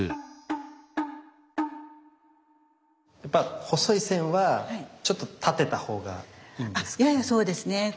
やっぱ細い線はちょっと立てた方がいいんですか？